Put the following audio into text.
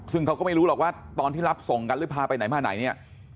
ซึ่งเขาก็ไม่รู้หรอกว่าตอนที่รับส่งกันหรือพาไปไหนมาไหนเนี่ย